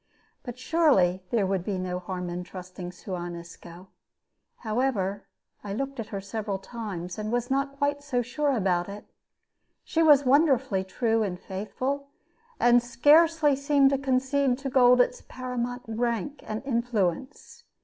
But surely there could be no harm in trusting Suan Isco. However, I looked at her several times, and was not quite so sure about it. She was wonderfully true and faithful, and scarcely seemed to concede to gold its paramount rank and influence.